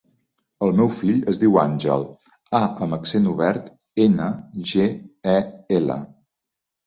El meu fill es diu Àngel: a amb accent obert, ena, ge, e, ela.